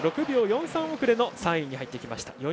６秒４３遅れの３位に入っていきました。